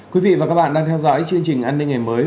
quý vị và các bạn đang theo dõi chương trình an ninh ngày mới